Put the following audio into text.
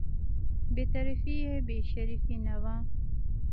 بې طرفي یې بې شرفي نه وه.